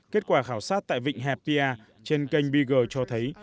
kết quả khảo sát tại vịnh hapia trên kênh beagle cho thấy